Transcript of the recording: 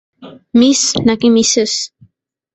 Miss নাকি Mrs?